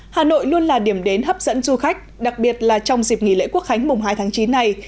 hà nội luôn là điểm đến hấp dẫn du khách đặc biệt là trong dịp nghỉ lễ quốc khánh mùng hai tháng chín này